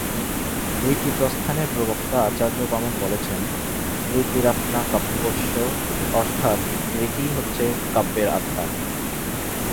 রীতিপ্রস্থানের প্রবক্তা আচার্য বামন বলেছেন: রীতিরাত্মা কাব্যস্য, অর্থাৎ রীতিই হচ্ছে কাব্যের আত্মা।